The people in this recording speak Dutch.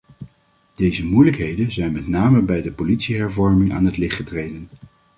Deze moeilijkheden zijn met name bij de politiehervorming aan het licht getreden.